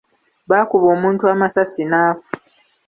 Baakuba omuntu amasasi n'afa..